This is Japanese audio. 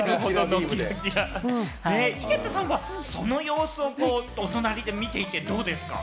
井桁さんはその様子をお隣で見ていてどうですか？